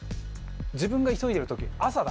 自分が急いでる時朝だ。